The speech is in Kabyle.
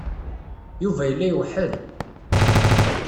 Yuba yella iweḥḥel.